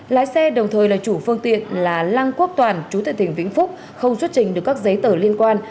lái xe đồng thời là chủ phương tiện là lăng quốc toàn chú tệ tỉnh vĩnh phúc không xuất trình được các giấy tờ liên quan